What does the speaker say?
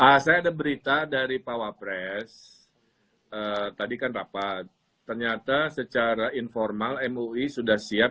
hatta a saya ada berita dari power press tadi kan rapat ternyata secara informal mui sudah siap